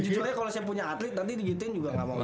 jujur aja kalo saya punya atlet nanti digituin juga gak mau juga